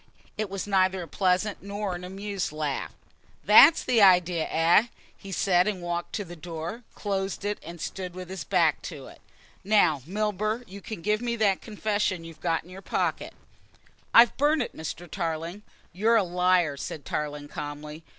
It was neither a pleasant nor an amused laugh. "That's the idea, eh?" he said, walked to the door, closed it and stood with his back to it. "Now, Milburgh, you can give me that confession you've got in your pocket." "I've burnt it, Mr. Tarling." "You're a liar," said Tarling calmly.